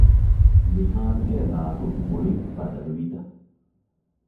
ނިހާންގެ ރާގު މުޅިން ބަދަލުވީތަ؟